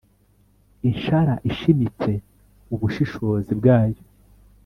inshara ishimitse ubushishozi bwayo